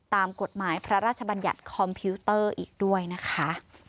ตามกฎหมายพระราชบัญญัติคอมพิวเตอร์อีกด้วยนะคะ